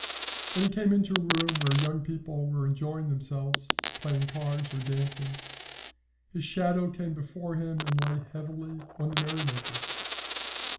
When he came into a room where young people were enjoying themselves, playing cards or dancing, his shadow came before him and lay heavily on the merry makers.